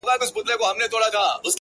زه درته څه ووايم!!